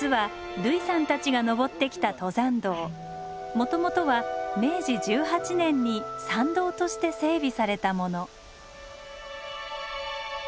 もともとは明治１８年に参道として整備されたもの。